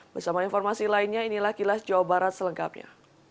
bersama informasi lainnya inilah kilas jawa barat selengkapnya